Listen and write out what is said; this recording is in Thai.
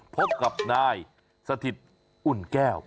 พบกับนายสถิตอุ่นแก้ว